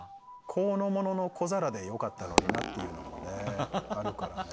香の物の小皿でよかったのになっていうのもねあるからね。